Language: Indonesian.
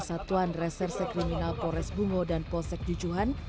satuan reserse kriminal pores bungo dan posek jujuhan